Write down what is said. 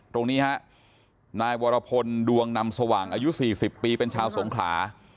ตรงนี้ฮะนายวรพลดวงนำสว่างอายุ๔๐ปีเป็นชาวสงขลา